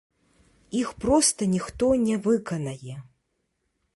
Іх проста ніхто не выканае.